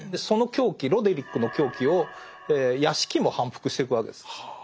その狂気ロデリックの狂気を屋敷も反復してくわけです。は。